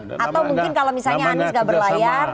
atau mungkin kalau misalnya anies gak berlayar